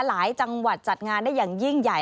หลายจังหวัดจัดงานได้อย่างยิ่งใหญ่